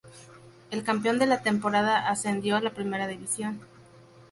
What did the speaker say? El campeón de la temporada ascendió a la Primera División.